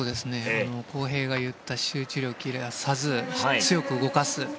航平が言った集中を切らさず強く動かす。